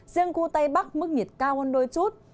riêng khu tây bắc mức nhiệt cao hơn đôi chút